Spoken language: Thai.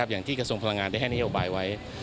อย่างที่กระทรวงพลังงานได้ให้ในยนต์ไฟฟ้าไว้